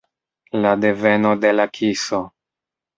La deveno de la kiso.